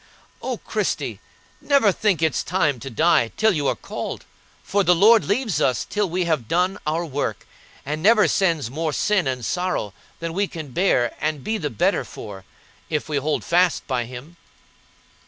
O Christie! never think it's time to die till you are called; for the Lord leaves us till we have done our work, and never sends more sin and sorrow than we can bear and be the better for, if we hold fast by Him."